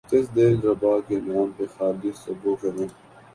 کس دل ربا کے نام پہ خالی سبو کریں